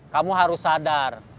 kamu harus sadar